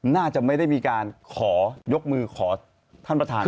น่าจะไม่ได้มีการขอยกมือขอท่านประธาน